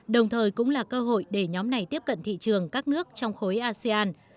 đồng thời cũng là cơ hội để nhóm này tiếp cận thị trường các nước trong khối asean